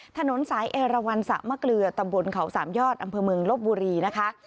ถนนสายเอราวันสะมะเกลือตำบลเขาสามยอดอำเภอเมืองลบบุรีนะคะ